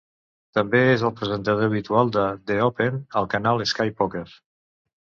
També és el presentador habitual de "The Open" al canal Sky Poker.